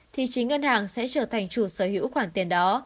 thì chính ngân hàng sẽ trở thành chủ sở hữu khoản tiền đó